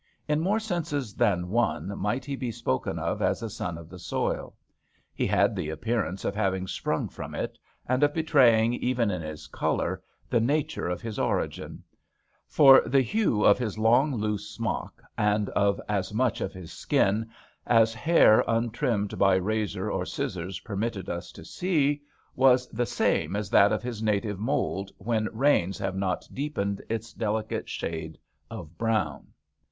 In more senses than one might he be spoken of as a son of the soil. He had the appearance of having sprung from it, and of betraying even in his colour the nature of his origin ; for the hue of his long loose smock, and of as much of his skin as hair untrimmed by razor or scissors permitted us to see, was the same as that of his native mould when rains have not deepened its delicate shade of brown.